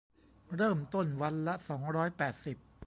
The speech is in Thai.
เริ่มต้นวันละ สองร้อยแปดสิบ